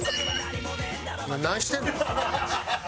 お前何してんねん。